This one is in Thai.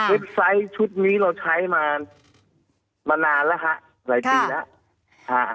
เว็บไซต์ชุดนี้เราใช้มานานแล้วค่ะหลายปีแล้ว